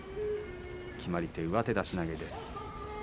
決まり手は上手出し投げ。